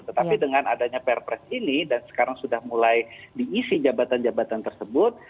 tetapi dengan adanya perpres ini dan sekarang sudah mulai diisi jabatan jabatan tersebut